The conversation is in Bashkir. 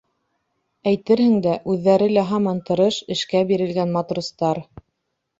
Әйтерһең дә, үҙҙәре лә һаман тырыш, эшкә бирелгән матростар.